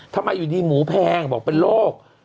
ทำไมอยู่ดีหมูแพงบอกเป็นโรค